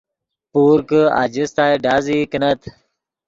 پور کہ آجستائے ڈازئی کینت